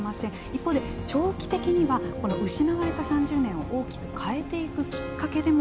一方で長期的には失われた３０年を大きく変えていくきっかけでもありますよね。